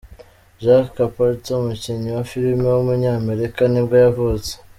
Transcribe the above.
Jack Carpenter, umukinnyi wa film w’umunyamerika nibwo yavutse.